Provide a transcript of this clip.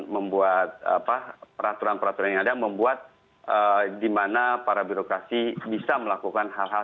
membuat peraturan peraturan yang ada membuat dimana para birokrasi bisa melakukan hal hal